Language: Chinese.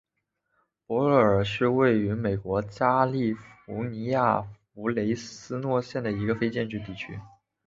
伯勒尔是位于美国加利福尼亚州弗雷斯诺县的一个非建制地区。